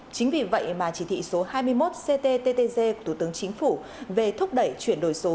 chính vì vậy mà chỉ thị số hai mươi một cttg của thủ tướng chính phủ về thúc đẩy chuyển đổi số